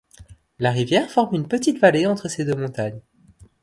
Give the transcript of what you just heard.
La rivière forme une petite vallée entre ces deux montagnes.